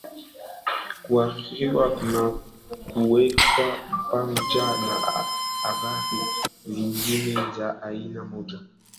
Kuhaririwa kna kuwekwa pampja na habari zingine za aina moja